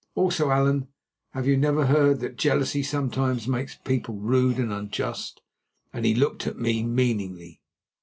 Also, Allan, have you never heard that jealousy sometimes makes people rude and unjust?" and he looked at me meaningly.